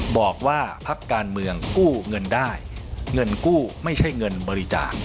บอกว่าพักการเมืองกู้เงินได้เงินกู้ไม่ใช่เงินบริจาค